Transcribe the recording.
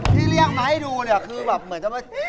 ที่เรียกมาให้ดูเนี่ยคือแบบเหมือนจะมา